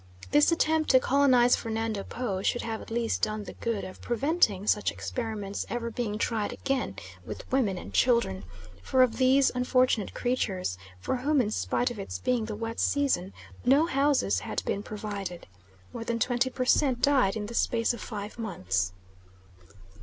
This attempt to colonise Fernando Po should have at least done the good of preventing such experiments ever being tried again with women and children, for of these unfortunate creatures for whom, in spite of its being the wet season, no houses had been provided more than 20 per cent. died in the space of five months.